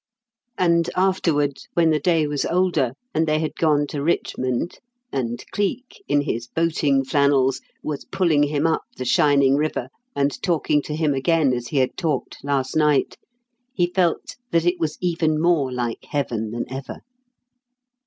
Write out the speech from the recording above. And afterward, when the day was older, and they had gone to Richmond, and Cleek in his boating flannels was pulling him up the shining river and talking to him again as he had talked last night, he felt that it was even more like Heaven than ever.